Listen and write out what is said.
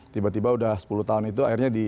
tiba tiba udah sepuluh tahun itu akhirnya di